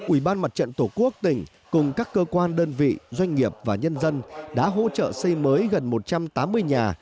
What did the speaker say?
ủy ban mặt trận tổ quốc tỉnh cùng các cơ quan đơn vị doanh nghiệp và nhân dân đã hỗ trợ xây mới gần một trăm tám mươi nhà